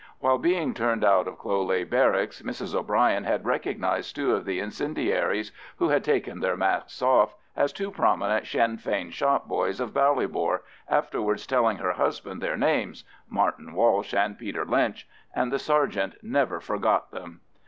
While being turned out of Cloghleagh Barracks, Mrs O'Bryan had recognised two of the incendiaries, who had taken their masks off, as two prominent Sinn Fein shop boys of Ballybor, afterwards telling her husband their names—Martin Walsh and Peter Lynch—and the sergeant never forgot them.